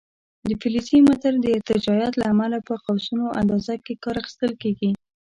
د فلزي متر د ارتجاعیت له امله په قوسونو اندازه کې کار اخیستل کېږي.